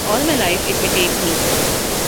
All my life it may take me!